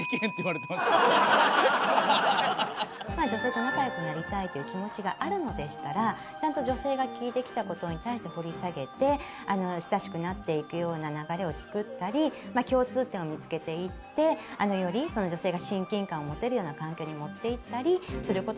女性と仲良くなりたいという気持ちがあるのでしたらちゃんと女性が聞いてきた事に対して掘り下げて親しくなっていくような流れを作ったり共通点を見付けていってよりその女性が親近感を持てるような関係に持っていったりする事が大事なんです。